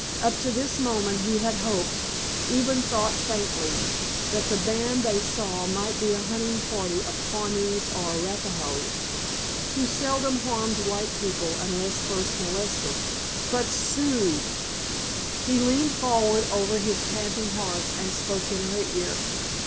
Up to this moment he had hoped—even though faintly—that the band they saw might be a hunting party of Pawnees or Arapahoes, who seldom harmed white people unless first molested. But Sioux——! He leaned forward over his panting horse and spoke in her ear.